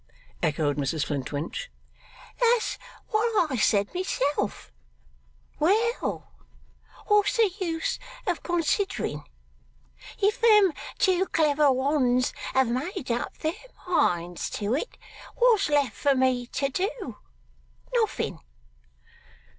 echoed Mrs Flintwinch. 'That's what I said myself. Well! What's the use of considering? If them two clever ones have made up their minds to it, what's left for me to do? Nothing.